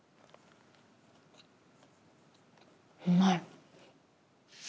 うまい。